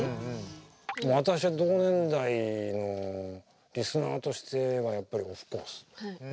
私は同年代のリスナーとしてはやっぱりオフコース。